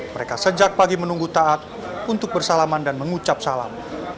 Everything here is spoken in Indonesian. mereka sejak pagi menunggu taat untuk bersalaman dan mengucap salam